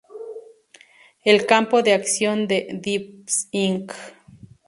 El campo de acción de DivX, Inc.